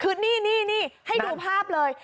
คือนี่ให้ดูภาพเลย